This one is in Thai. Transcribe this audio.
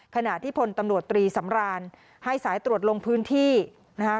ขณะที่พลตำรวจตรีสำรานให้สายตรวจลงพื้นที่นะคะ